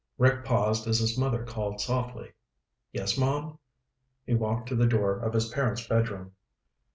Rick paused as his mother called softly. "Yes, Mom?" He walked to the door of his parents' bedroom.